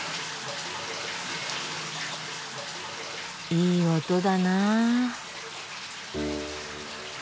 いい音だな。